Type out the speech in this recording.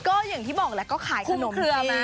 ก็อย่างที่บอกแล้วก็ขายขนม